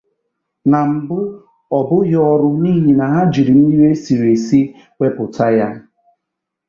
Na mbụ, ọ bụghị ọrụ n'ihi na ha jiri mmiri esiri esi wepụta ya.